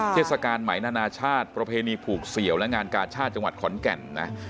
เทศกาลไหมนานาชาติประเพณีผูกเสี่ยวและงานกาชาติจังหวัดขอนแก่นนะ